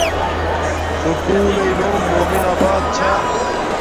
سکُول لݵݵ نوم مومن ابات چھا